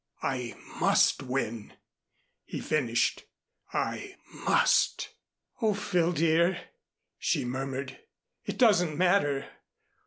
I must win," he finished. "I must." "Oh, Phil, dear," she murmured. "It doesn't matter.